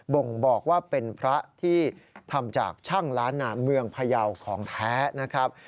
บ่งบอกว่าเป็นพระที่ทำจากช่างล้านนาเมืองพยาวของแท้นะครับ